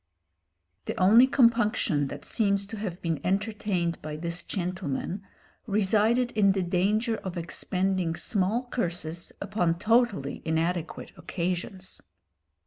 The only compunction that seems to have been entertained by this gentleman resided in the danger of expending small curses upon totally inadequate occasions.